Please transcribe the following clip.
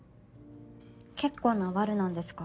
結構なワルなんですか？